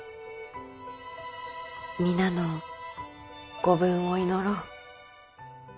皆のご武運を祈ろう。